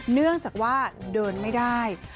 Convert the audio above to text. เนื่องจากว่าเดินไม่ได้